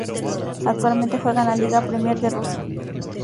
Actualmente juega en la Liga Premier de Rusia.